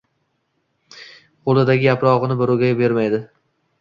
Qo’lidagi yarog’ini birovga bermaydi.